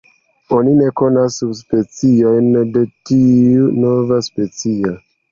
Oni ne konas subspeciojn de tiu “nova” specio.